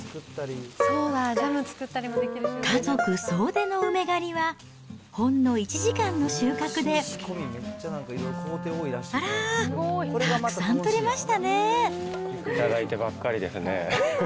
家族総出の梅狩りは、ほんの１時間の収穫で、あらー、頂いてばっかりですね。